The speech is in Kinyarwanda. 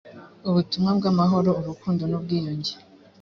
ubutumwa bw'amahoro, urukundo n’ ubwiyunge